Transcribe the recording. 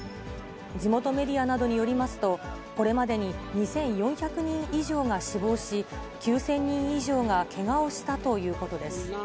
地元メディアなどによりますと、これまでに２４００人以上が死亡し、９０００人以上がけがをしたということです。